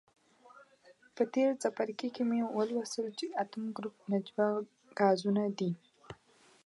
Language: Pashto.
په تیر څپرکي کې مو ولوستل چې اتم ګروپ نجیبه غازونه دي.